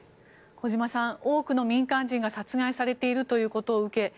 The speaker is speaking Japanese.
小島さん、多くの民間人が殺害されているということを受け